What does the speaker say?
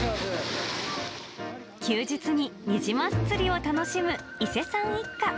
休日にニジマス釣りを楽しむいせさん一家。